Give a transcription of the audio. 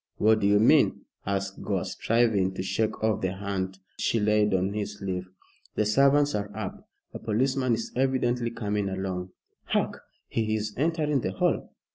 "What do you mean?" asked Gore, striving to shake off the hand she laid on his sleeve. "The servants are up a policeman is evidently coming along. Hark! he is entering the hall.